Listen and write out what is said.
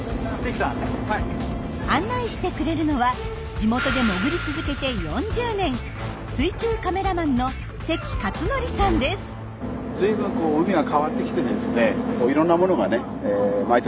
案内してくれるのは地元で潜り続けて４０年水中カメラマンの関勝則さんです。